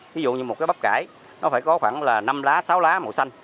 ví dụ như một cái bắp cải nó phải có khoảng là năm lá sáu lá màu xanh